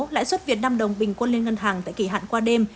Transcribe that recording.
lãi suất việt nam đồng bình quân liên ngân hàng tại kỳ hạn qua đêm